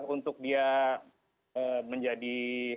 untuk dia menjadi